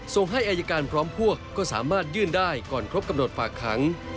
ส่งให้อายการพร้อมพวกก็สามารถยื่นได้ก่อนครบกำหนดฝากขัง